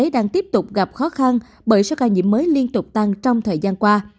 đang tiếp tục gặp khó khăn bởi số ca nhiễm mới liên tục tăng trong thời gian qua